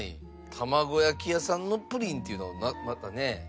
玉子焼屋さんのプリンっていうのはまたね。